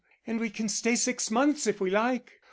And we can stay six months if we like."